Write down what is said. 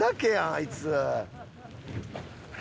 あいつ。